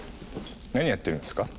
何やってるんすか？